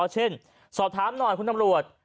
เช่นสอบถามหน่อยคุณตำรวจ